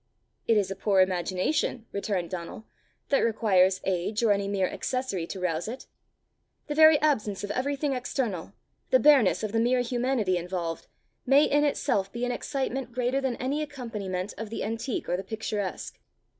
"It is a poor imagination," returned Donal, "that requires age or any mere accessory to rouse it. The very absence of everything external, the bareness of the mere humanity involved, may in itself be an excitement greater than any accompaniment of the antique or the picturesque.